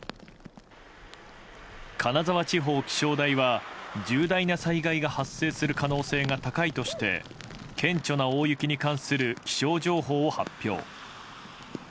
金沢地方気象台は重大な災害が発生する可能性が高いとして、顕著な大雪に関する気象情報を発表。